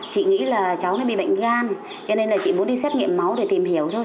chị nghĩ là cháu mới bị bệnh gan cho nên là chị muốn đi xét nghiệm máu để tìm hiểu thôi